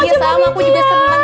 iya sama aku juga seru mbak